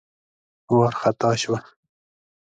وار خطا شوه.